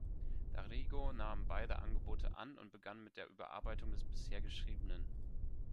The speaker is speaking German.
D’Arrigo nahm beide Angebote an und begann mit der Überarbeitung des bisher Geschriebenen.